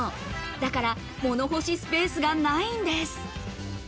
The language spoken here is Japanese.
だから、物干しスペースがないんです。